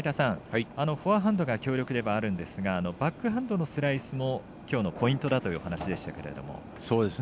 フォアハンドが強力ではあるんですがバックハンドのスライスもきょうのポイントだという話でしたけれども。